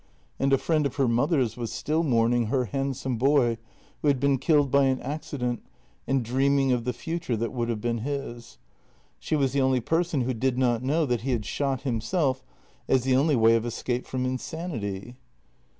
And a friend of her mother's was still mourning her handsome boy, who had been killed by an accident, and dreaming of the future that would have been his; she was the only person who did not know that he had shot himself as the only way of escape from insanity.